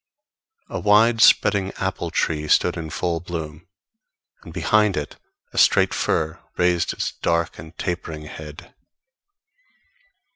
A wide spreading apple tree stood in full bloom, and behind it a straight fir raised its dark and tapering head.